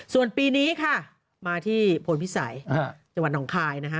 ส่วนปีนี้ค่ะมาที่โผล่นพิสัยจังหวัดนองคาย